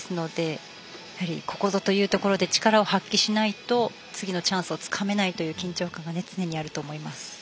やはり、ここぞというところで力を発揮しないと次のチャンスをつかめないという緊張感があると思います。